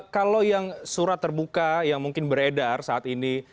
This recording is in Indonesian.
kalau yang surat terbuka yang mungkin beredar saat ini